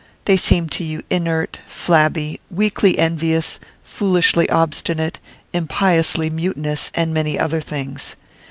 They seem to you inert, flabby, weakly envious, foolishly obstinate, impiously mutinous, and many other things.